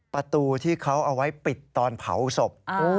ประตูที่เขาเอาไว้ปิดตอนเผาศพ